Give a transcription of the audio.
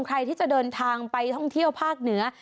ใครที่จะเดินทางไปท่องเที่ยวภาคเหนือ